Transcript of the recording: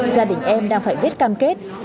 gia đình em đang phải viết cam kết